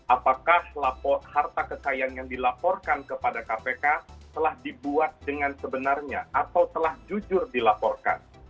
apakah harta kekayaan yang dilaporkan kepada kpk telah dibuat dengan sebenarnya atau telah jujur dilaporkan